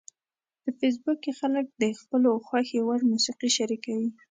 په فېسبوک کې خلک د خپلو خوښې وړ موسیقي شریکوي